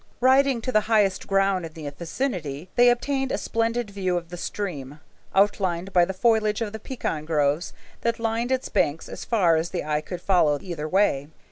Riding to the highest ground in the vicinity, they obtained a splendid view of the stream, outlined by the foliage of the pecan groves that lined its banks as far as the eye could follow either way.